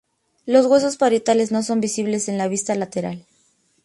Los huesos parietales no son visibles en la vista lateral.